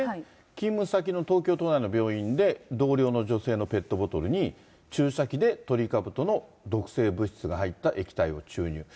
勤務先の東京都内の病院で、同僚の女性のペットボトルに、注射器でトリカブトの毒性物質が入った液体を注入。